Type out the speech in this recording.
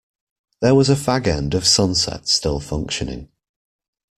There was a fag-end of sunset still functioning.